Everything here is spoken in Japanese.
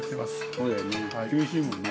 そうだよね厳しいもんね。